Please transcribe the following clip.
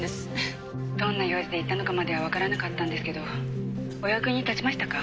「どんな用事で行ったのかまではわからなかったんですけどお役に立ちましたか？」